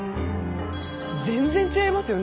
全然違いますよねでもね。